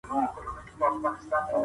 عام خلګ کله مجلس ته تللی سي؟